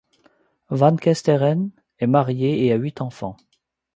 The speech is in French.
Van Kesteren est marié et a huit enfants.